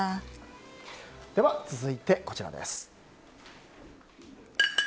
続いて、こちらです。